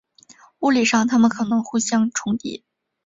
物理上它们可能互相重叠。